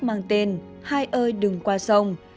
mang tên hai ơi đừng qua sông